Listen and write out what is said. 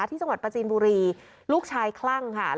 ที่จังหวัดประจีนบุรีลูกชายคลั่งค่ะ